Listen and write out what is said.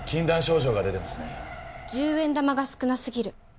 １０円玉が少なすぎる。